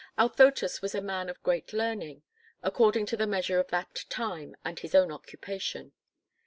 Althotas was a man of great learning, according to the measure of that time and his own occupation.